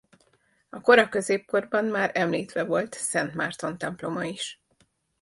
A kora középkorban már említve volt Szent Márton-temploma is.